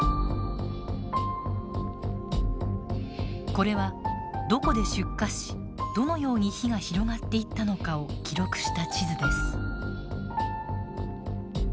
これはどこで出火しどのように火が広がっていったのかを記録した地図です。